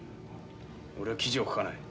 俺は記事を書かない。